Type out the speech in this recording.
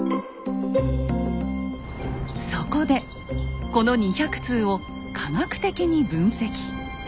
そこでこの２００通を科学的に分析。